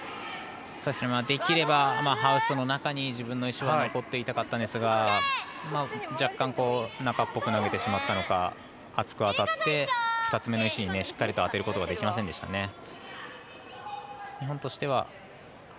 できればハウスの中に自分の石が残っていたかったんですが若干中っぽく投げてしまったのか厚く当たって２つ目の石にしっかりと当てることができませんでしたね。